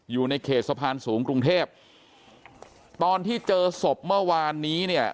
อยู่ในเขตสะพานสูงกรุงเทพตอนที่เจอศพเมื่อวานนี้เนี่ย